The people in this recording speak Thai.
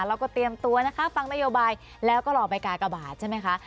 เราก็เตรียมตัวนะคะฟังนโยบายแล้วก็รอไปกากบาทใช่ไหมคะ